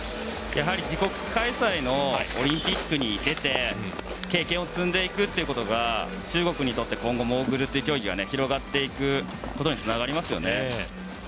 やはり自国開催のオリンピックに出て経験を積んでいくということが中国にとって今後モーグルという競技が広がることにつながりますよね。